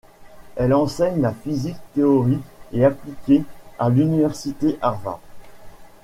Elle enseigne la physique théorique et appliquée à l'université Harvard.